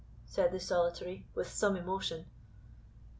said the Solitary, with some emotion.